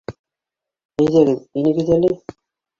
— Әйҙәгеҙ, инегеҙ әле